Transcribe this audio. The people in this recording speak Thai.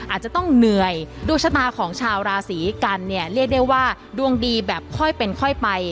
อาจจะต้องเหนื่อยดวงชะตาของชาวราศีกันเนี่ยเรียกได้ว่าดวงดีแบบค่อยเป็นค่อยไป